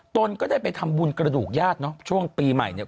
ตนก็ได้ไปทำบุญกระดูกญาติเนาะช่วงปีใหม่เนี่ย